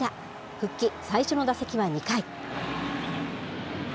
復帰最初の打席は２回。